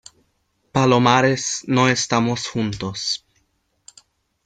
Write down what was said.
palomares, no estamos juntos.